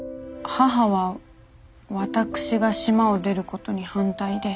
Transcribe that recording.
母は私が島を出ることに反対で。